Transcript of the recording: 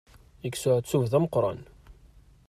Yekkes uεettub d ameqqran.